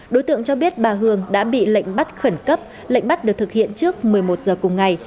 đối tượng cho biết bà hường đã bị lệnh bắt khẩn cấp lệnh bắt được thực hiện trước một mươi một giờ cùng ngày